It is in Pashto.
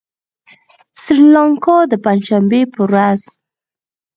سريلانکا د پنجشنبې په ورځ